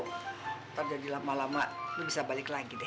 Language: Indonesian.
ntar jadi lama lama ini bisa balik lagi deh